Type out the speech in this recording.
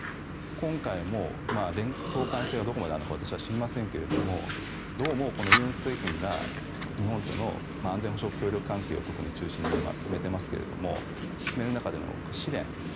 今回も相関性はどこまであるのか私は知りませんけれどどうも尹政権が日本との安全保障協力関係を特に中心に進めていますが進める中での試練